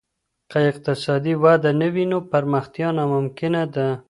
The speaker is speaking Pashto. که اقتصادي وده نه وي نو پرمختيا ناممکنه ده.